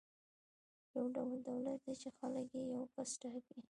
یو ډول دولت دی چې خلک یې یو کس ټاکي.